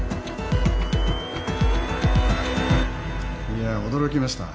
いや驚きました。